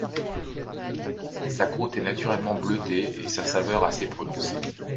Sa croûte est naturellement bleutée et sa saveur assez prononcée.